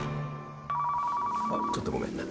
あっちょっとごめんな。